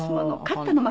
勝ったの？